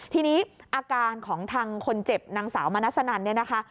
ทีนี้อาการของทางคนเจ็บนางสาวมณษฎรรณ